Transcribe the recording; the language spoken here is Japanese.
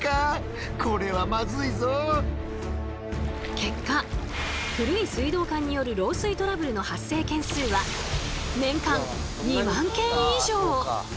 結果古い水道管による漏水トラブルの発生件数は年間２万件以上。